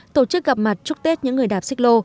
tổ chức gặp mặt chúc tết những người đạp xích lô